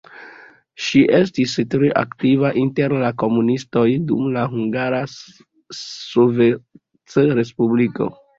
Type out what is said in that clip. Ŝi estis tre aktiva inter la komunistoj dum la Hungara Sovetrespubliko.